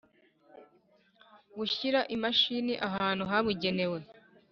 Gushyira imashini ahantu habugenewe